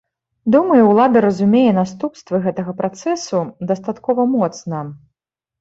Думаю, ўлада разумее наступствы гэтага працэсу дастаткова моцна.